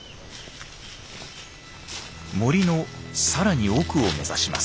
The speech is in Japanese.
森のさらに奥を目指します。